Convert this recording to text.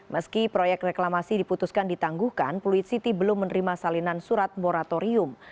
meski proyek reklamasi diputuskan ditangguhkan pluit city belum menerima salinan surat moratorium